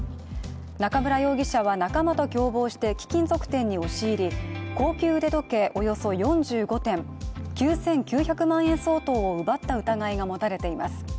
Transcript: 中村容疑者は仲間と共謀して貴金属店に押し入り高級腕時計４５点、９９００万円相当を奪った疑いが持たれています。